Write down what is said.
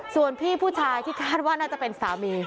ส่วนพี่ผู้ชายที่คาดว่าน่าจะเป็นสามี